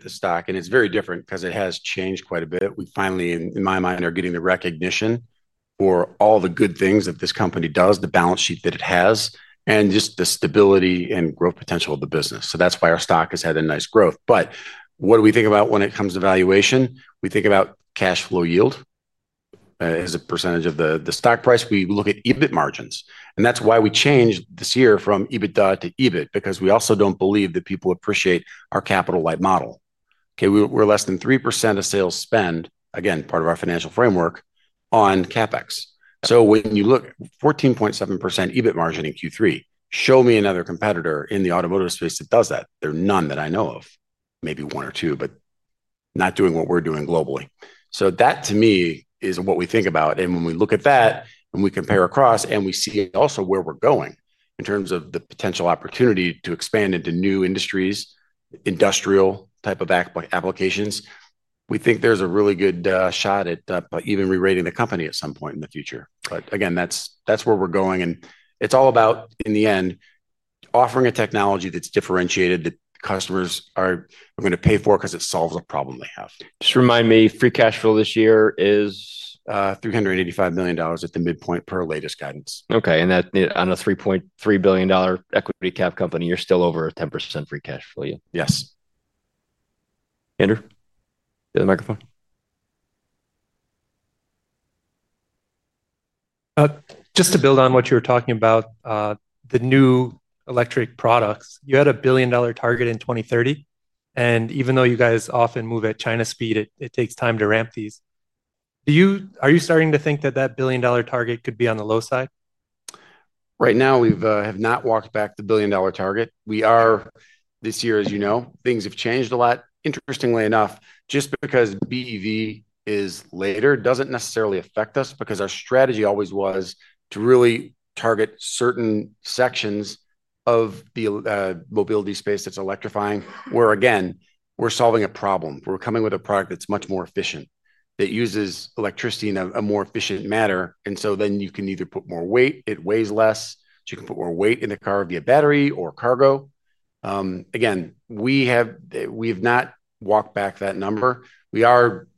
The stock. And it's very different because it has changed quite a bit. We finally, in my mind, are getting the recognition for all the good things that this company does, the balance sheet that it has, and just the stability and growth potential of the business. That is why our stock has had a nice growth. What do we think about when it comes to valuation? We think about cash flow yield as a percentage of the stock price. We look at EBIT margins. That is why we changed this year from EBITDA to EBIT, because we also do not believe that people appreciate our capital-light model. Okay, we are less than 3% of sales spend, again, part of our financial framework, on CapEx. When you look, 14.7% EBIT margin in Q3, show me another competitor in the automotive space that does that. There are none that I know of, maybe one or two, but not doing what we are doing globally. That, to me, is what we think about. When we look at that, and we compare across, and we see also where we are going in terms of the potential opportunity to expand into new industries. Industrial type of applications, we think there is a really good shot at even re-rating the company at some point in the future. Again, that is where we are going. It is all about, in the end, offering a technology that is differentiated, that customers are going to pay for because it solves a problem they have. Just remind me, free cash flow this year is $385 million at the midpoint per latest guidance. Okay. And on a $3.3 billion equity cap company, you're still over 10% free cash flow, yeah? Yes. Andrew, you have the microphone. Just to build on what you were talking about. The new electric products, you had a billion-dollar target in 2030. Even though you guys often move at China speed, it takes time to ramp these. Are you starting to think that that billion-dollar target could be on the low side? Right now, we have not walked back the billion-dollar target. We are, this year, as you know, things have changed a lot. Interestingly enough, just because BEV is later, it doesn't necessarily affect us because our strategy always was to really target certain sections of the mobility space that's electrifying, where, again, we're solving a problem. We're coming with a product that's much more efficient, that uses electricity in a more efficient manner. You can either put more weight, it weighs less, so you can put more weight in the car via battery or cargo. Again, we have not walked back that number. We are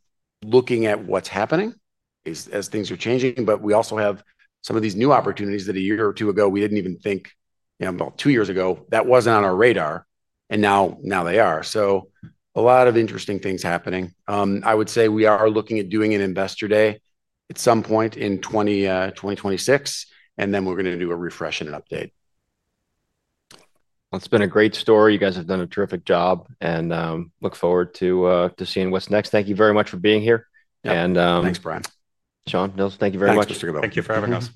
looking at what's happening as things are changing, but we also have some of these new opportunities that a year or two ago, we didn't even think, well, two years ago, that wasn't on our radar, and now they are. A lot of interesting things happening. I would say we are looking at doing an Investor Day at some point in 2026, and then we're going to do a refresh and an update. It has been a great story. You guys have done a terrific job, and look forward to seeing what is next. Thank you very much for being here. Thanks, Bryan. Sean, Nils, thank you very much. Thank you, Christopher Byrnes. Thank you for having us.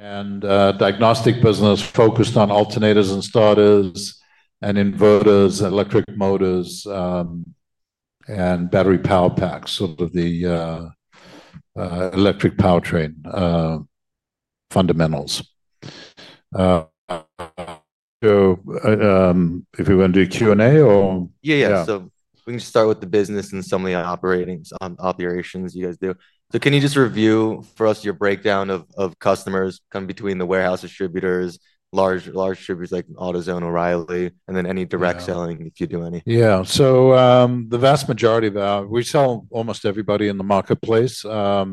Diagnostic business focused on alternators and starters and inverters, electric motors, and battery power packs, sort of the electric powertrain fundamentals. If we want to do Q&A or? Yeah, yeah. We can start with the business and some of the operations you guys do. Can you just review for us your breakdown of customers coming between the warehouse distributors, large distributors like AutoZone, O'Reilly, and then any direct selling, if you do any? Yeah. The vast majority of our—we sell almost everybody in the marketplace. All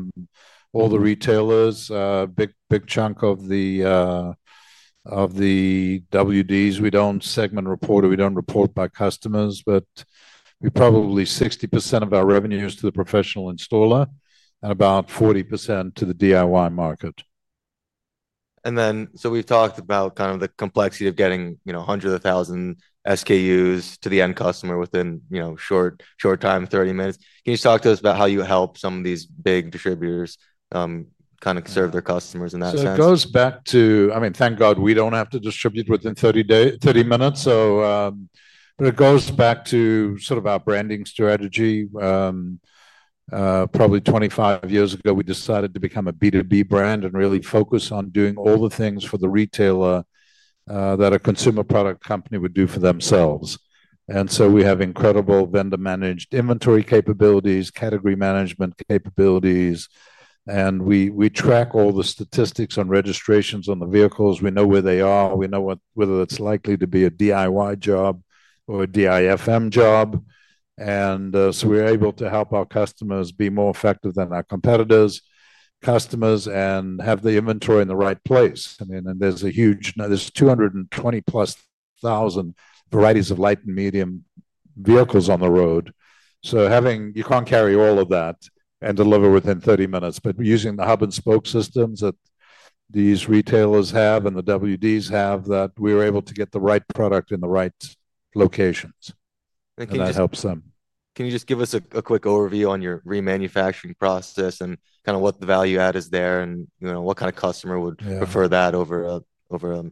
the retailers, a big chunk of the WDs. We do not segment report. We do not report by customers, but probably 60% of our revenue is to the professional installer and about 40% to the DIY market. We've talked about kind of the complexity of getting hundreds of thousands of SKUs to the end customer within a short time, 30 minutes. Can you just talk to us about how you help some of these big distributors kind of serve their customers in that sense? It goes back to—I mean, thank God we don't have to distribute within 30 minutes. It goes back to sort of our branding strategy. Probably 25 years ago, we decided to become a B2B brand and really focus on doing all the things for the retailer that a consumer product company would do for themselves. We have incredible vendor-managed inventory capabilities, category management capabilities, and we track all the statistics on registrations on the vehicles. We know where they are. We know whether it's likely to be a DIY job or a DIFM job. We are able to help our customers be more effective than our competitors' customers and have the inventory in the right place. I mean, there are 220-plus thousand varieties of light and medium vehicles on the road. You can't carry all of that and deliver within 30 minutes, but using the hub-and-spoke systems that these retailers have and the WDs have, we are able to get the right product in the right locations. Can you just give us a quick overview on your remanufacturing process and kind of what the value add is there and what kind of customer would prefer that over a—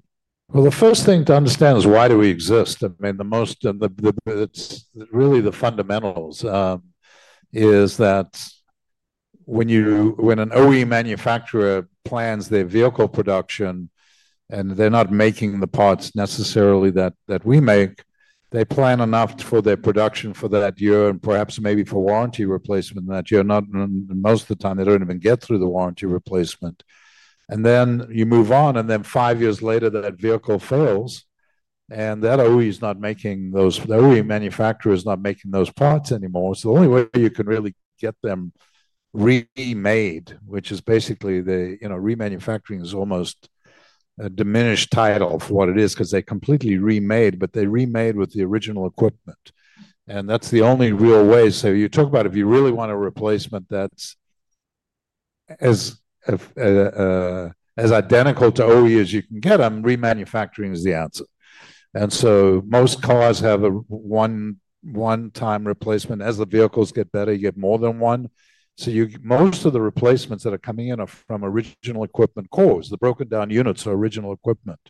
The first thing to understand is why do we exist? I mean, the most—and it's really the fundamentals. Is that when an OE manufacturer plans their vehicle production, and they're not making the parts necessarily that we make, they plan enough for their production for that year and perhaps maybe for warranty replacement that year. Most of the time, they don't even get through the warranty replacement. You move on, and then five years later, that vehicle fails, and that OE is not making those—the OE manufacturer is not making those parts anymore. The only way you can really get them remade, which is basically the remanufacturing, is almost a diminished title for what it is because they are completely remade, but they are remade with the original equipment. That's the only real way. You talk about if you really want a replacement that's as identical to OE as you can get, remanufacturing is the answer. Most cars have a one-time replacement. As the vehicles get better, you get more than one. Most of the replacements that are coming in are from original equipment cores, the broken down units, so original equipment.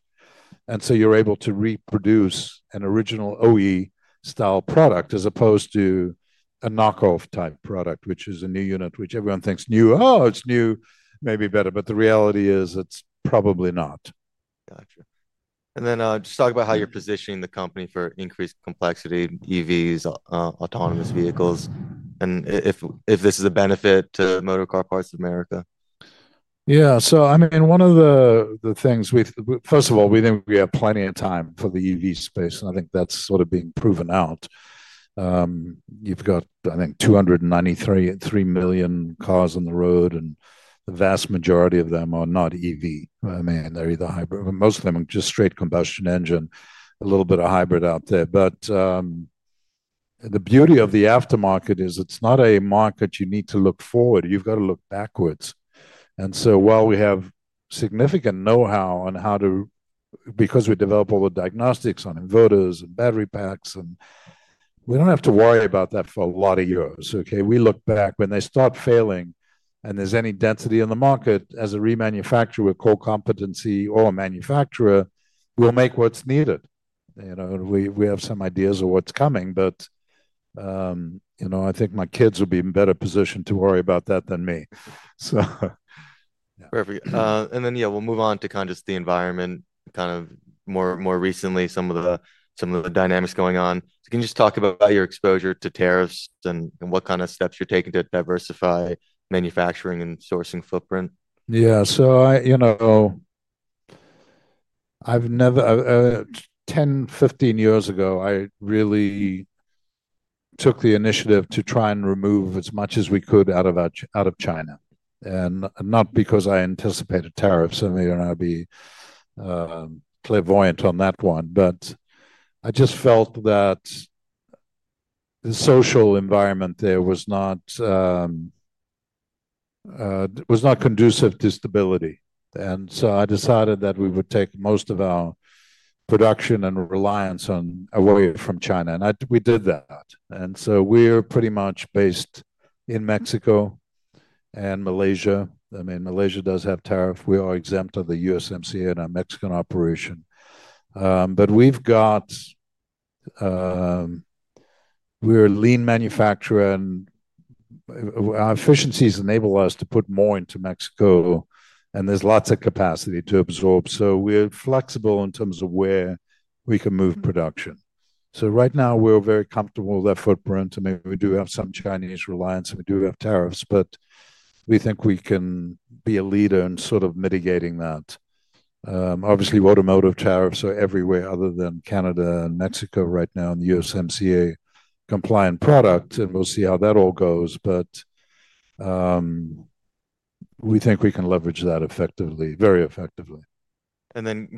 You're able to reproduce an original OE-style product as opposed to a knockoff type product, which is a new unit, which everyone thinks new, "Oh, it's new, maybe better." The reality is it's probably not. Gotcha. Just talk about how you're positioning the company for increased complexity, EVs, autonomous vehicles, and if this is a benefit to Motorcar Parts of America. Yeah. So, I mean, one of the things—first of all, we think we have plenty of time for the EV space, and I think that's sort of being proven out. You've got, I think, 293 million cars on the road, and the vast majority of them are not EV. I mean, they're either hybrid. Most of them are just straight combustion engine, a little bit of hybrid out there. The beauty of the aftermarket is it's not a market you need to look forward. You've got to look backwards. While we have significant know-how on how to—because we develop all the diagnostics on inverters and battery packs—we don't have to worry about that for a lot of years. Okay? We look back when they start failing, and there's any density in the market, as a remanufacturer, we'll call competency or a manufacturer, we'll make what's needed. We have some ideas of what's coming. I think my kids would be in a better position to worry about that than me. Perfect. Yeah, we'll move on to kind of just the environment, kind of more recently, some of the dynamics going on. Can you just talk about your exposure to tariffs and what kind of steps you're taking to diversify manufacturing and sourcing footprint? Yeah. So, 10, 15 years ago, I really took the initiative to try and remove as much as we could out of China. And not because I anticipated tariffs, and maybe I'll be clairvoyant on that one, but I just felt that the social environment there was not conducive to stability. I decided that we would take most of our production and reliance away from China. We did that. We're pretty much based in Mexico and Malaysia. I mean, Malaysia does have tariffs. We are exempt of the USMCA in our Mexican operation. We've got—we're a lean manufacturer. Our efficiencies enable us to put more into Mexico, and there's lots of capacity to absorb. We're flexible in terms of where we can move production. Right now, we're very comfortable with our footprint. I mean, we do have some Chinese reliance, and we do have tariffs, but we think we can be a leader in sort of mitigating that. Obviously, automotive tariffs are everywhere other than Canada and Mexico right now in the USMCA compliant product, and we'll see how that all goes. We think we can leverage that very effectively.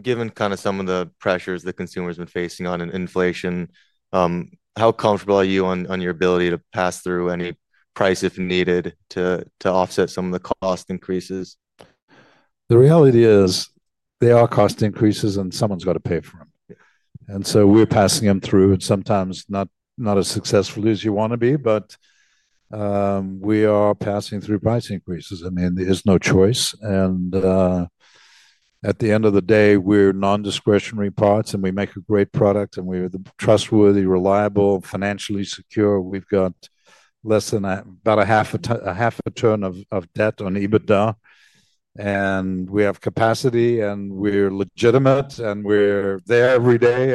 Given kind of some of the pressures that consumers have been facing on inflation, how comfortable are you on your ability to pass through any price, if needed, to offset some of the cost increases? The reality is they are cost increases, and someone's got to pay for them. We're passing them through, and sometimes not as successful as you want to be, but we are passing through price increases. I mean, there's no choice. At the end of the day, we're non-discretionary parts, and we make a great product, and we're trustworthy, reliable, financially secure. We've got less than about half a turn of debt on EBITDA. We have capacity, and we're legitimate, and we're there every day.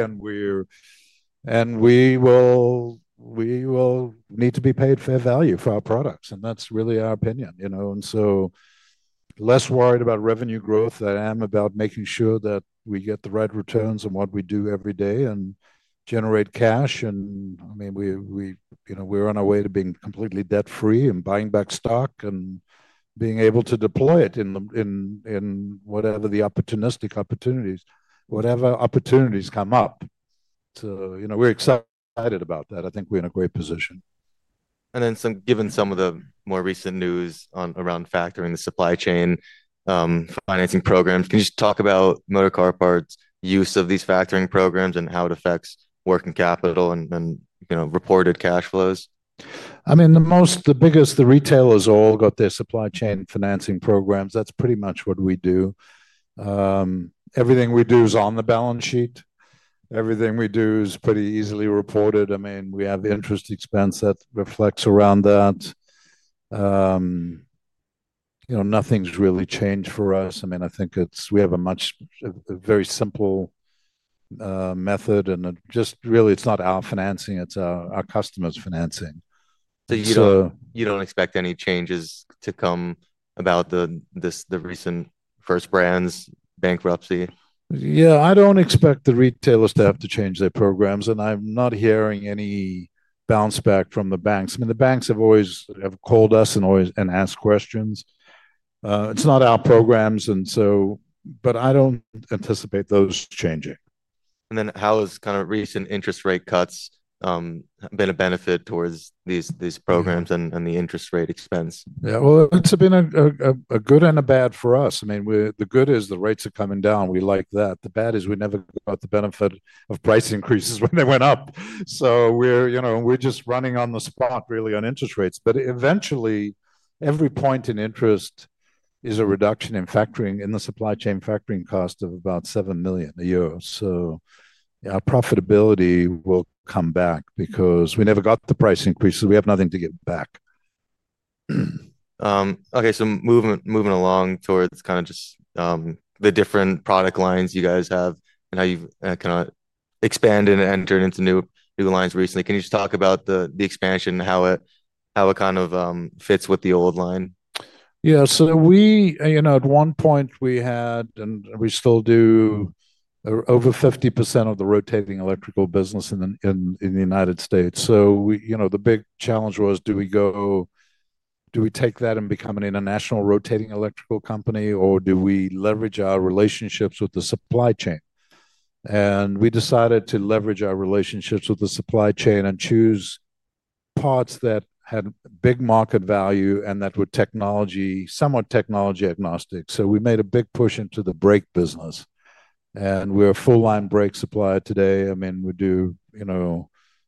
We will need to be paid fair value for our products. That's really our opinion. Less worried about revenue growth than I am about making sure that we get the right returns on what we do every day and generate cash. I mean, we're on our way to being completely debt-free and buying back stock and being able to deploy it in whatever the opportunistic opportunities, whatever opportunities come up. We're excited about that. I think we're in a great position. Given some of the more recent news around factoring the supply chain financing programs, can you just talk about Motorcar Parts' use of these factoring programs and how it affects working capital and reported cash flows? I mean, the biggest, the retailers all got their supply chain financing programs. That's pretty much what we do. Everything we do is on the balance sheet. Everything we do is pretty easily reported. I mean, we have the interest expense that reflects around that. Nothing's really changed for us. I mean, I think we have a very simple method, and just really, it's not our financing. It's our customers' financing. You don't expect any changes to come about the recent First Brands bankruptcy? Yeah. I don't expect the retailers to have to change their programs, and I'm not hearing any bounce back from the banks. I mean, the banks have always called us and asked questions. It's not our programs, but I don't anticipate those changing. How has kind of recent interest rate cuts been a benefit towards these programs and the interest rate expense? Yeah. It has been a good and a bad for us. I mean, the good is the rates are coming down. We like that. The bad is we never got the benefit of price increases when they went up. We are just running on the spot, really, on interest rates. Eventually, every point in interest is a reduction in factoring in the supply chain factoring cost of about $7 million a year. Our profitability will come back because we never got the price increases. We have nothing to give back. Okay. So moving along towards kind of just the different product lines you guys have and how you've kind of expanded and entered into new lines recently, can you just talk about the expansion and how it kind of fits with the old line? Yeah. At one point, we had, and we still do, over 50% of the rotating electrical business in the United States. The big challenge was, do we take that and become an international rotating electrical company, or do we leverage our relationships with the supply chain? We decided to leverage our relationships with the supply chain and choose parts that had big market value and that were somewhat technology agnostic. We made a big push into the brake business. We're a full-line brake supplier today. I mean,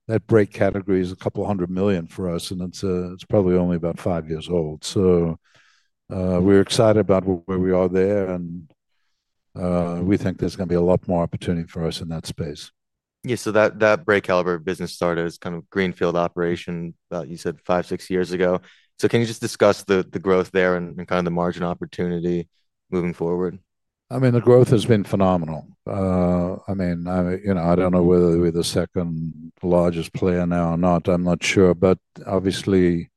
that brake category is a couple hundred million for us, and it's probably only about five years old. We're excited about where we are there, and we think there's going to be a lot more opportunity for us in that space. Yeah. So that brake caliper business started as kind of greenfield operation, you said, five, six years ago. Can you just discuss the growth there and kind of the margin opportunity moving forward? I mean, the growth has been phenomenal. I mean, I do not know whether we are the second largest player now or not. I am not sure. Obviously,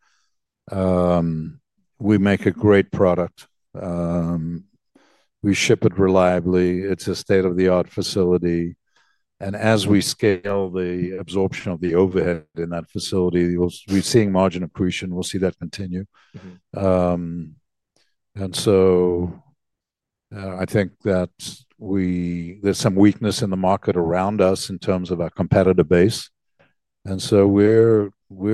we make a great product. We ship it reliably. It is a state-of-the-art facility. As we scale the absorption of the overhead in that facility, we are seeing margin accretion. We will see that continue. I think that there is some weakness in the market around us in terms of our competitor base. We are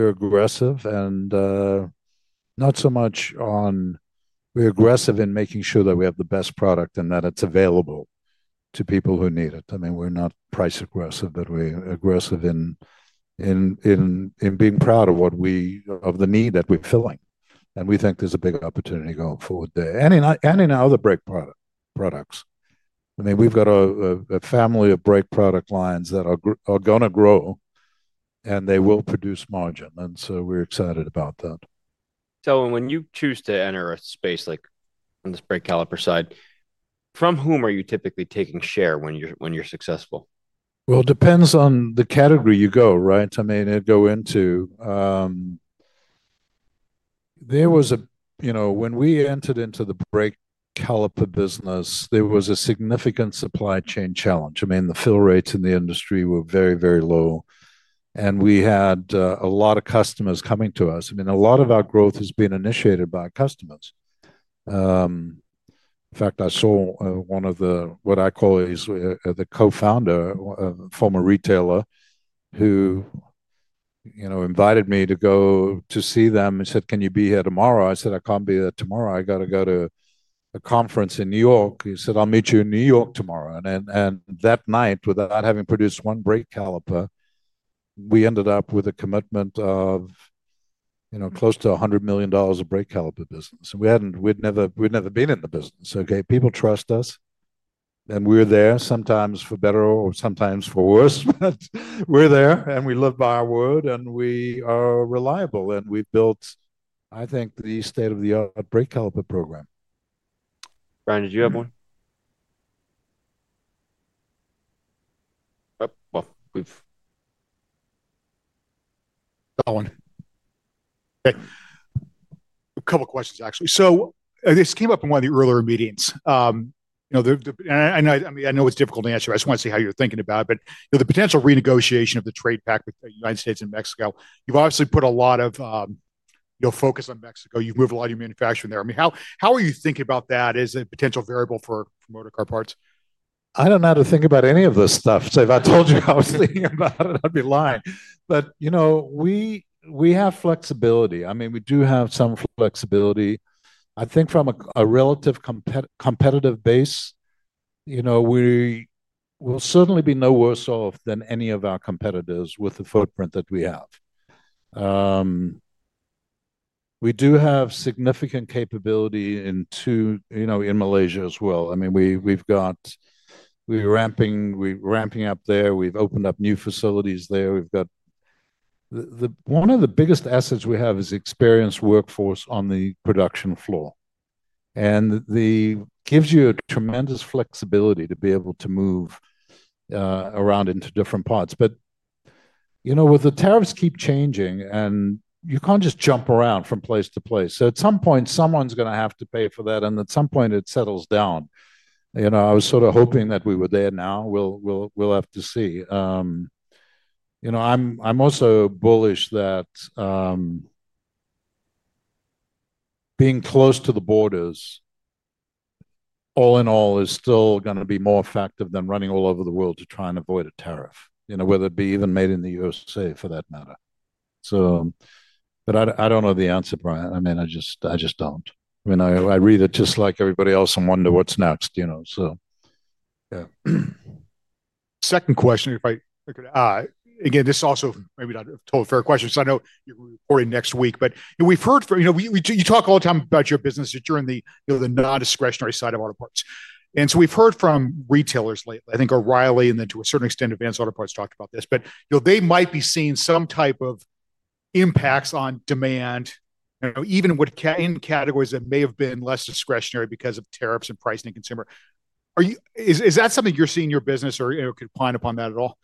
aggressive, not so much on—we are aggressive in making sure that we have the best product and that it is available to people who need it. I mean, we are not price aggressive, but we are aggressive in being proud of the need that we are filling. We think there is a big opportunity going forward there. In our other brake products, I mean, we have got a family of brake product lines that are going to grow. They will produce margin, and we are excited about that. When you choose to enter a space like on this brake caliper side, from whom are you typically taking share when you're successful? It depends on the category you go, right? I mean, it goes into. There was a—when we entered into the brake caliper business, there was a significant supply chain challenge. I mean, the fill rates in the industry were very, very low. We had a lot of customers coming to us. I mean, a lot of our growth has been initiated by customers. In fact, I saw one of the—what I call—the co-founder, a former retailer, who invited me to go to see them and said, "Can you be here tomorrow?" I said, "I can't be there tomorrow. I got to go to a conference in New York." He said, "I'll meet you in New York tomorrow." That night, without having produced one brake caliper, we ended up with a commitment of close to $100 million of brake caliper business. We hadn't—we'd never been in the business. Okay? People trust us. We're there sometimes for better or sometimes for worse, but we're there, and we live by our word, and we are reliable. We've built, I think, the state-of-the-art brake caliper program. Bryan, did you have one? Well. Go on. Okay. A couple of questions, actually. This came up in one of the earlier meetings. I know it's difficult to answer. I just want to see how you're thinking about it. The potential renegotiation of the trade pact with the United States and Mexico, you've obviously put a lot of focus on Mexico. You've moved a lot of your manufacturing there. I mean, how are you thinking about that as a potential variable for Motorcar Parts of America? I don't know how to think about any of this stuff. So if I told you how I was thinking about it, I'd be lying. But we have flexibility. I mean, we do have some flexibility. I think from a relative competitive base, we'll certainly be no worse off than any of our competitors with the footprint that we have. We do have significant capability in Malaysia as well. I mean, we're ramping up there. We've opened up new facilities there. One of the biggest assets we have is experienced workforce on the production floor. And it gives you a tremendous flexibility to be able to move around into different parts. But with the tariffs keep changing, and you can't just jump around from place to place. At some point, someone's going to have to pay for that, and at some point, it settles down. I was sort of hoping that we were there now. We'll have to see. I'm also bullish that being close to the borders, all in all, is still going to be more effective than running all over the world to try and avoid a tariff, whether it be even made in the USA, for that matter. I don't know the answer, Bryan. I mean, I just don't. I mean, I read it just like everybody else and wonder what's next. Second question, if I could—again, this is also maybe not a totally fair question, because I know you're reporting next week. But we've heard from—you talk all the time about your business that you're on the non-discretionary side of auto parts. And so we've heard from retailers lately, I think O'Reilly and then to a certain extent, Advanced Auto Parts talked about this. But they might be seeing some type of impacts on demand, even in categories that may have been less discretionary because of tariffs and pricing and consumer. Is that something you're seeing in your business, or could you pine upon that at all?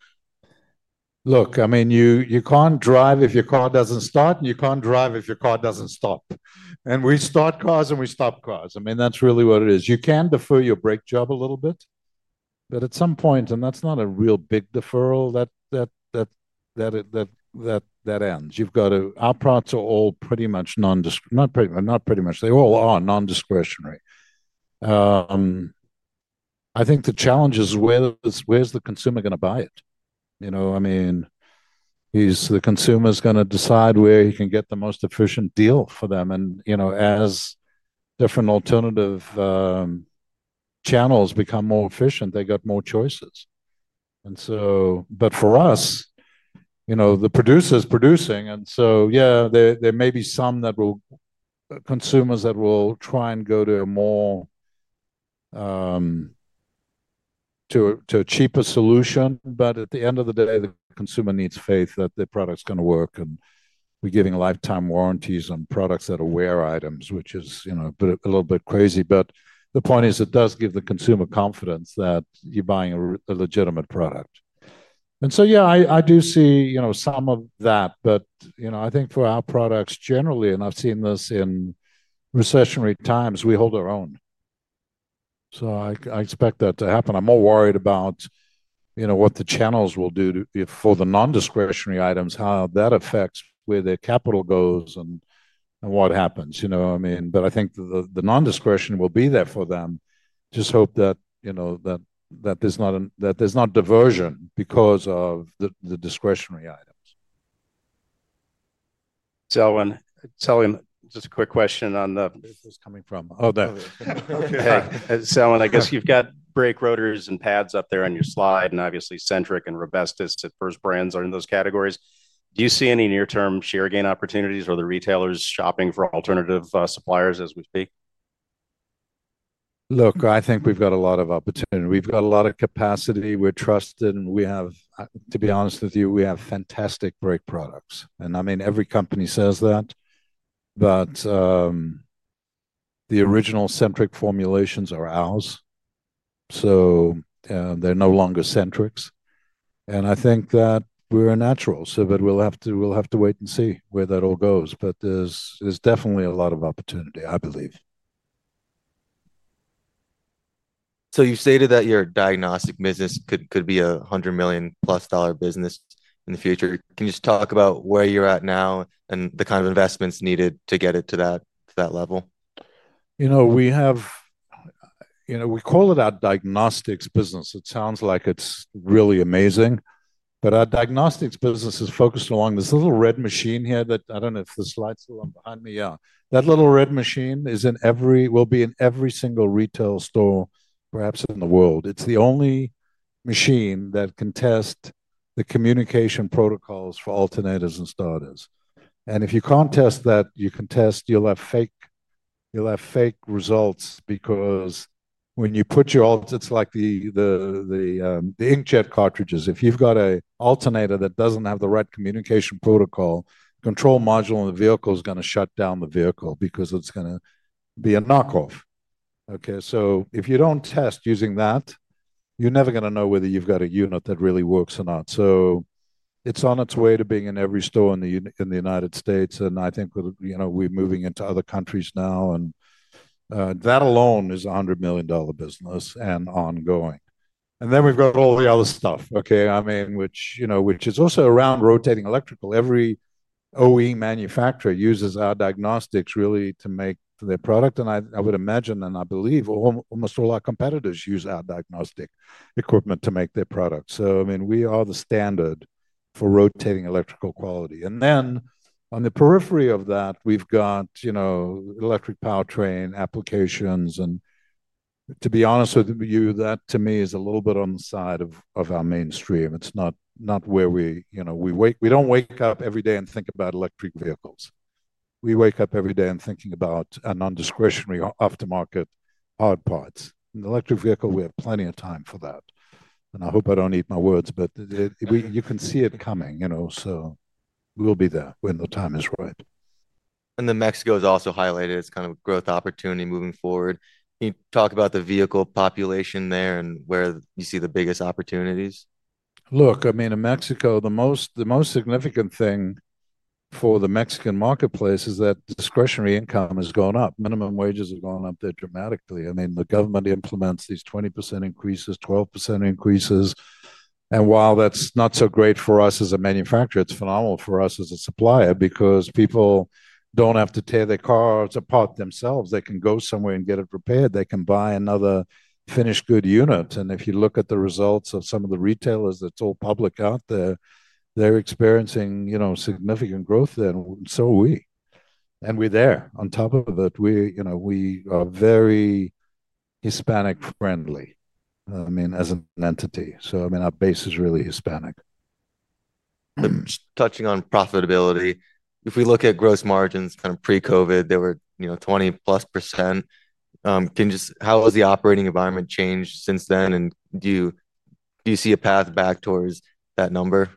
Look, I mean, you can't drive if your car doesn't start, and you can't drive if your car doesn't stop. We start cars, and we stop cars. I mean, that's really what it is. You can defer your brake job a little bit. At some point—and that's not a real big deferral—that ends. Our parts are all pretty much non—not pretty much. They all are non-discretionary. I think the challenge is, where's the consumer going to buy it? I mean, the consumer's going to decide where he can get the most efficient deal for them. As different alternative channels become more efficient, they got more choices. For us, the producer's producing. There may be some consumers that will try and go to a cheaper solution. At the end of the day, the consumer needs faith that their product's going to work. We're giving lifetime warranties on products that are wear items, which is a little bit crazy. The point is, it does give the consumer confidence that you're buying a legitimate product. I do see some of that. I think for our products generally—and I've seen this in recessionary times—we hold our own. I expect that to happen. I'm more worried about what the channels will do for the non-discretionary items, how that affects where their capital goes and what happens. I mean, I think the non-discretionary will be there for them. Just hope that there's not diversion because of the discretionary items. Selwyn, just a quick question on the— Where's this coming from? Oh, there. Okay. Selwyn, I guess you've got brake rotors and pads up there on your slide, and obviously, Centric and Robestis at First Brands are in those categories. Do you see any near-term share gain opportunities, or are the retailers shopping for alternative suppliers as we speak? Look, I think we've got a lot of opportunity. We've got a lot of capacity. We're trusted. To be honest with you, we have fantastic brake products. I mean, every company says that. The original Centric formulations are ours. They are no longer Centric's. I think that we're a natural. We'll have to wait and see where that all goes. There is definitely a lot of opportunity, I believe. You stated that your diagnostic business could be a $100 million-plus business in the future. Can you just talk about where you're at now and the kind of investments needed to get it to that level? We call it our diagnostics business. It sounds like it's really amazing. Our diagnostics business is focused along this little red machine here that I don't know if the slide's still on behind me. Yeah. That little red machine will be in every single retail store, perhaps in the world. It's the only machine that can test the communication protocols for alternators and starters. If you can't test that, you'll have fake results because when you put your—it's like the inkjet cartridges. If you've got an alternator that doesn't have the right communication protocol, the control module on the vehicle is going to shut down the vehicle because it's going to be a knockoff. Okay? If you don't test using that, you're never going to know whether you've got a unit that really works or not. It's on its way to being in every store in the United States. I think we're moving into other countries now. That alone is a $100 million business and ongoing. Then we've got all the other stuff, okay, I mean, which is also around rotating electrical. Every OE manufacturer uses our diagnostics really to make their product. I would imagine, and I believe almost all our competitors use our diagnostic equipment to make their products. I mean, we are the standard for rotating electrical quality. On the periphery of that, we've got electric powertrain applications. To be honest with you, that to me is a little bit on the side of our mainstream. It's not where we—we don't wake up every day and think about electric vehicles. We wake up every day and think about non-discretionary aftermarket hard parts. In the electric vehicle, we have plenty of time for that. I hope I don't eat my words, but you can see it coming. We'll be there when the time is right. Mexico is also highlighted as kind of a growth opportunity moving forward. Can you talk about the vehicle population there and where you see the biggest opportunities? Look, I mean, in Mexico, the most significant thing for the Mexican marketplace is that discretionary income has gone up. Minimum wages have gone up there dramatically. I mean, the government implements these 20% increases, 12% increases. While that's not so great for us as a manufacturer, it's phenomenal for us as a supplier because people don't have to tear their cars apart themselves. They can go somewhere and get it repaired. They can buy another finished good unit. If you look at the results of some of the retailers that's all public out there, they're experiencing significant growth there. So are we. We're there. On top of that, we are very Hispanic-friendly, I mean, as an entity. I mean, our base is really Hispanic. Touching on profitability, if we look at gross margins kind of pre-COVID, they were 20-plus %. How has the operating environment changed since then, and do you see a path back towards that number?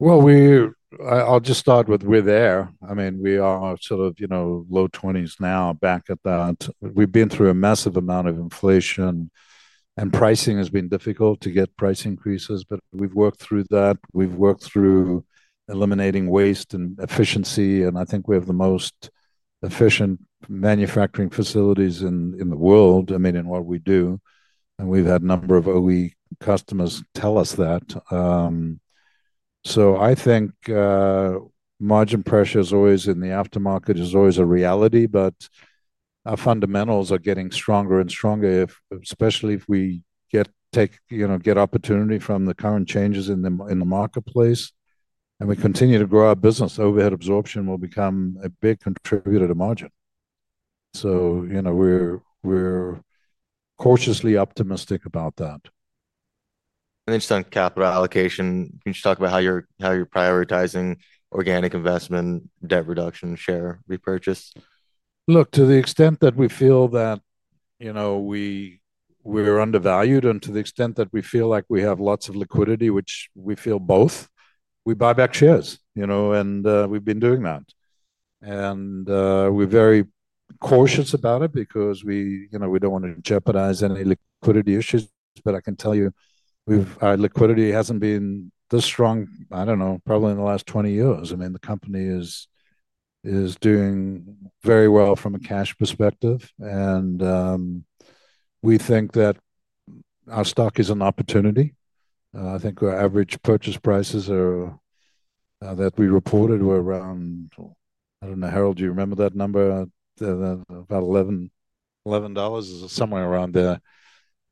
I'll just start with we're there. I mean, we are sort of low 20s now, back at that. We've been through a massive amount of inflation, and pricing has been difficult to get price increases. But we've worked through that. We've worked through eliminating waste and efficiency. And I think we have the most efficient manufacturing facilities in the world, I mean, in what we do. And we've had a number of OE customers tell us that. So I think margin pressure is always in the aftermarket is always a reality. But our fundamentals are getting stronger and stronger, especially if we get opportunity from the current changes in the marketplace. And we continue to grow our business. Overhead absorption will become a big contributor to margin. We're cautiously optimistic about that. Can you just talk about how you're prioritizing organic investment, debt reduction, share repurchase? Look, to the extent that we feel that. We're undervalued and to the extent that we feel like we have lots of liquidity, which we feel both, we buy back shares. We've been doing that. We're very cautious about it because we don't want to jeopardize any liquidity issues. I can tell you. Our liquidity hasn't been this strong, I don't know, probably in the last 20 years. I mean, the company is. Doing very well from a cash perspective. We think that. Our stock is an opportunity. I think our average purchase prices are. That we reported were around. I don't know, Harold, do you remember that number? About $11. Somewhere around there.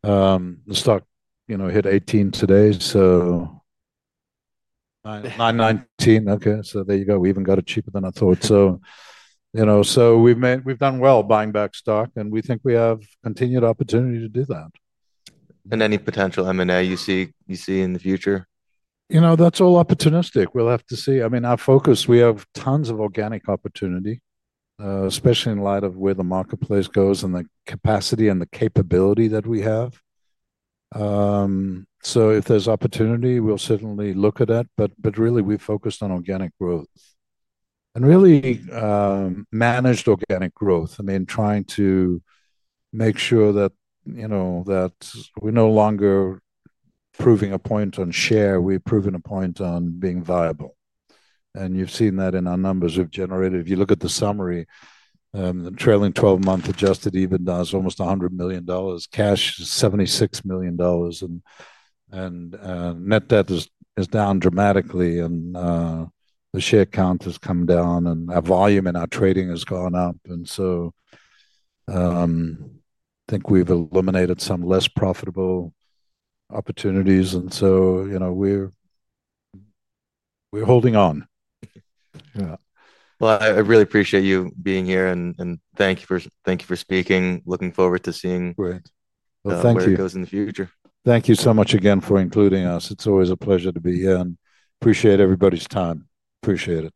The stock hit $18 today, so. $9.19. Okay. There you go. We even got it cheaper than I thought. We've done well buying back stock, and we think we have continued opportunity to do that. Any potential M&A you see in the future? That's all opportunistic. We'll have to see. I mean, our focus, we have tons of organic opportunity, especially in light of where the marketplace goes and the capacity and the capability that we have. If there's opportunity, we'll certainly look at that. Really, we've focused on organic growth. Really managed organic growth. I mean, trying to make sure that we're no longer proving a point on share. We've proven a point on being viable. You've seen that in our numbers we've generated. If you look at the summary, the trailing 12-month adjusted EBITDA is almost $100 million. Cash is $76 million. Net debt is down dramatically. The share count has come down. Our volume in our trading has gone up. I think we've eliminated some less profitable opportunities. We're holding on. I really appreciate you being here, and thank you for speaking. Looking forward to seeing. Great. Thank you. Where it goes in the future. Thank you so much again for including us. It is always a pleasure to be here. I appreciate everybody's time. Appreciate it.